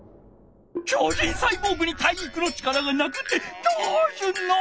超人サイボーグに体育の力がなくってどうすんの！？